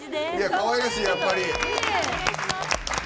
かわいらしい、やっぱり。